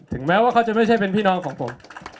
แม้ว่าเขาจะไม่ใช่เป็นพี่น้องของผม